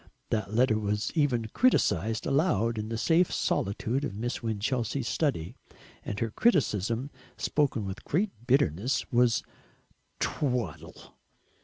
That letter was even criticised aloud in the safe solitude of Miss Winchelsea's study, and her criticism, spoken with great bitterness, was "Twaddle!"